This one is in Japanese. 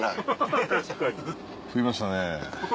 食いましたね。